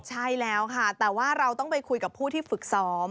ใช่แล้วค่ะแต่ว่าเราต้องไปคุยกับผู้ที่ฝึกซ้อม